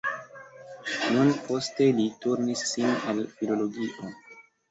Nur poste li turnis sin al filologio.